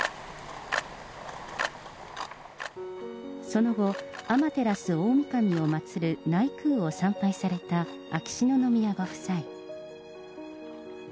その後、天照大御神を祭る内宮を参拝された秋篠宮ご夫妻。